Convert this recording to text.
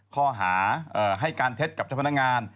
ข้อหาให้การเท็จกับเจ้าพนักงาน